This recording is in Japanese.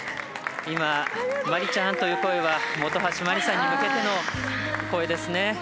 今「麻里ちゃん」という声は本橋麻里さんに向けての声ですね。